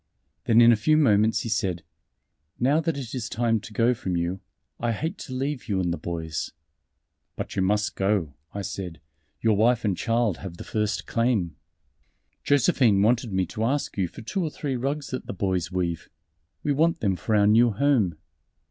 Then in a few moments he said: "Now that it is time to go from you, I hate to leave you and the boys." "But you must go," I said, "your wife and child have the first claim." "Josephine wanted me to ask you for two or three rugs that the boys weave. We want them for our new home."